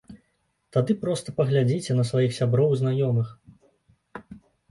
Тады проста паглядзіце на сваіх сяброў і знаёмых.